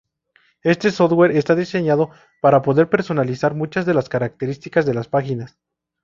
Este software está diseñado para poder personalizar muchas de las características de las páginas.